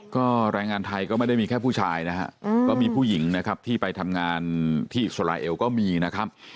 ก็แรงงานไทยก็ไม่ได้มีแค่ผู้ชายนะฮะก็มีผู้หญิงนะครับที่ไปทำงานที่อิสราเอลก็มีนะครับ